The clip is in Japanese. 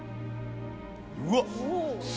うわっ！